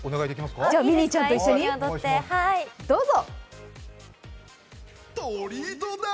ミニーちゃんと一緒にどうぞ。